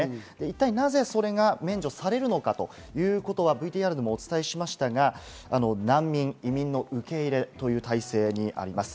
なぜ、それが免除されるのかということはＶＴＲでもお伝えしましたが、難民・移民の受け入れという体制にあります。